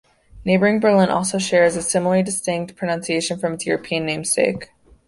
Neighboring Berlin also shares a similarly distinct pronunciation from its European namesake.